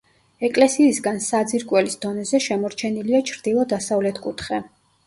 ეკლესიისგან საძირკველის დონეზე შემორჩენილია ჩრდილო-დასავლეთ კუთხე.